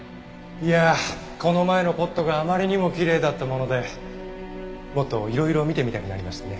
いやあこの前のポットがあまりにもきれいだったものでもっといろいろ見てみたくなりましてね。